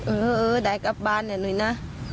เออได้กลับบ้านหน่อยนะ